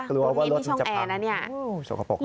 กลัวว่ารถมันจะพัง